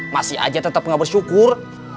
masih aja tetap gak bersyukur